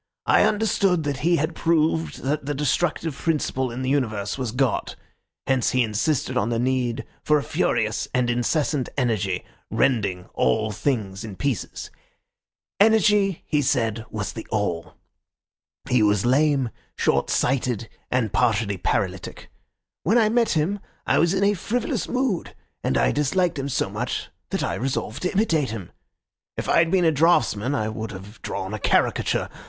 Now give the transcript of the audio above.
I understood that he had proved that the destructive principle in the universe was God; hence he insisted on the need for a furious and incessant energy, rending all things in pieces. Energy, he said, was the All. He was lame, shortsighted, and partially paralytic. When I met him I was in a frivolous mood, and I disliked him so much that I resolved to imitate him. If I had been a draughtsman I would have drawn a caricature.